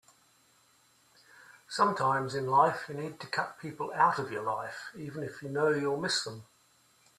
Sometimes in life you need to cut people out of your life even if you know you'll miss them.